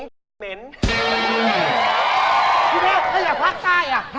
พี่แม่ก็อย่าพักใต้อ่ะ